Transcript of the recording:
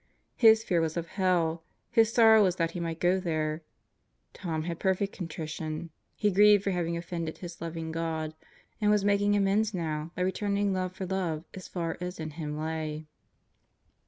His fear was of hell; his sorrow was that he might go there. Tom had "Perfect Contrition"; he grieved for having of fended his loving God and was making amends now by returning love for love as far as in him lay.